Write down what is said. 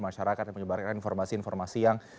masyarakat yang menyebarkan informasi informasi yang